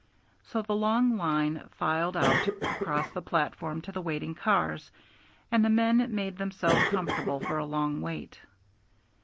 So the long line filed out across the platform to the waiting cars, and the men made themselves comfortable for a long wait.